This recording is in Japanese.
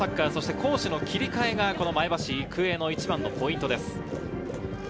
攻守の切り替えが前橋育英の一番のポイントです。